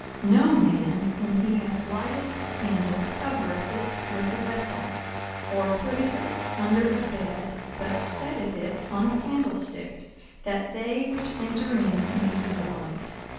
42:008:016 No man, when he hath lighted a candle, covereth it with a vessel, or putteth it under a bed; but setteth it on a candlestick, that they which enter in may see the light.